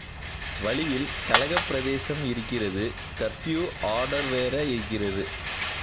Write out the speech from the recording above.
வழியில் கலகப் பிரதேசம் இருக்கிறது கர்ஃப்யு ஆர்டர்வேற இருக்கிறது.